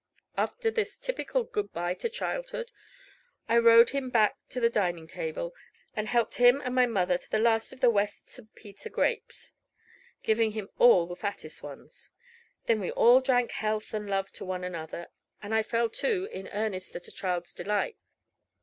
After this typical good bye to childhood, I rode him back to the dining table, and helped him and my mother to the last of the West's St. Peter grapes, giving him all the fattest ones. Then we all drank health and love to one another, and I fell to in earnest at a child's delight.